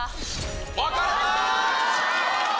分かれた。